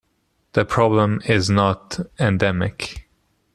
The problem is not endemic.